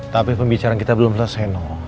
tapi pembicaraan kita belum selesai